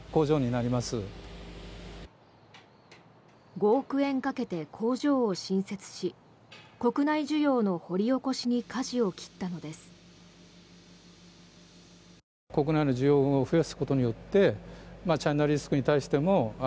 ５億円かけて工場を新設し国内需要の掘り起こしにかじを切ったのです。